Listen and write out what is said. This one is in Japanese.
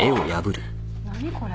何これ？